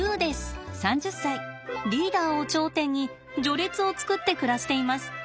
リーダーを頂点に序列を作って暮らしています。